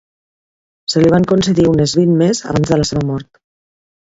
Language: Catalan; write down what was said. Se li van concedir unes vint més abans de la seva mort.